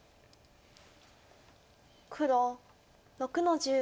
黒６の十。